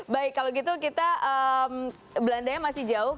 baik kalau gitu kita belanda nya masih jauh